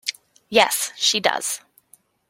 Yes, she does.